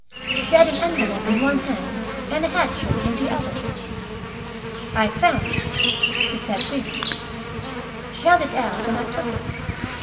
She had an envelope in one hand, and a hatchet in the other. "I found it," she said briefly. She held it out, and I took it.